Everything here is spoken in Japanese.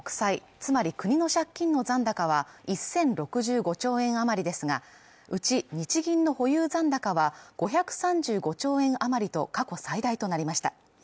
つまり国の借金の残高は１０６５兆円あまりですがうち日銀の保有残高は５３５兆円余りと過去最大となりました